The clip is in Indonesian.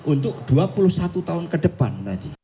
untuk dua puluh satu tahun ke depan